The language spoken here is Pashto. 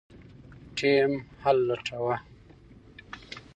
ټیم حل لټاوه.